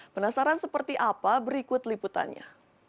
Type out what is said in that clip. penasaran seperti apa berikut liputannya